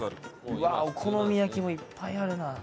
うわお好み焼きもいっぱいあるな。